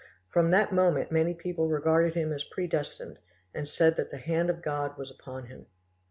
From that moment many people regarded him as predestined, and said that the hand of God was upon him.